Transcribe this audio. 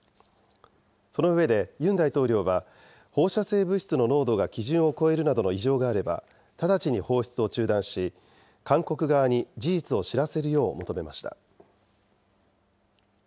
その上でユン大統領は、放射性物質の濃度が基準を超えるなどの異常があれば、直ちに放出を中断し、韓国側に事実を知らせるよう求めました。